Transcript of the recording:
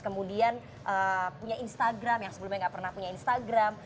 kemudian punya instagram yang sebelumnya nggak pernah punya instagram